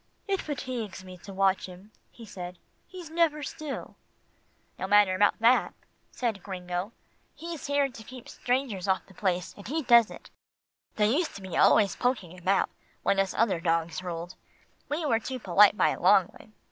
"It fatigues me to watch him," he said. "He's never still." "No matter about that," said Gringo, "he's here to keep strangers off the place, and he does it. They used to be always poking about, when us other dogs ruled. We were too polite by a long way.